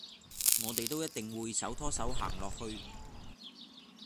我地都一定會手拖手行落去